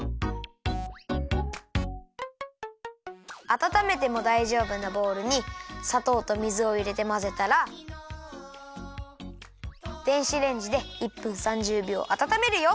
あたためてもだいじょうぶなボウルにさとうと水をいれてまぜたら電子レンジで１分３０びょうあたためるよ。